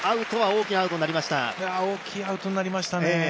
大きいアウトになりましたね。